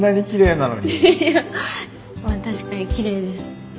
いやまあ確かにきれいです。